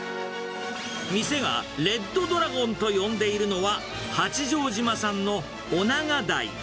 店がレッドドラゴンと呼んでいるのは、八丈島産のオナガダイ。